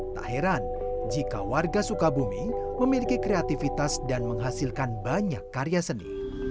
tak heran jika warga suka bumi memiliki kreatifitas dan menghasilkan banyak karya seni